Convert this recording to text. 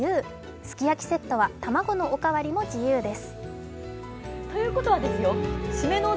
すき焼セットは卵のおかわりも自由です。